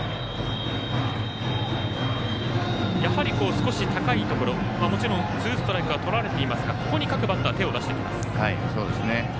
少し高いところもちろん、ツーストライクはとられていますがとにかくバッターは手を出してきます。